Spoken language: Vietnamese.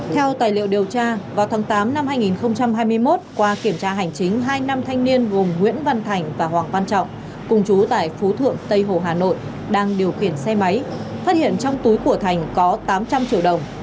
theo tài liệu điều tra vào tháng tám năm hai nghìn hai mươi một qua kiểm tra hành chính hai nam thanh niên gồm nguyễn văn thành và hoàng văn trọng cùng chú tại phú thượng tây hồ hà nội đang điều khiển xe máy phát hiện trong túi của thành có tám trăm linh triệu đồng